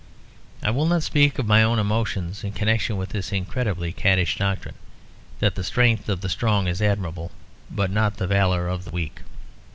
I will not speak of my own emotions in connection with this incredibly caddish doctrine that the strength of the strong is admirable, but not the valour of the weak.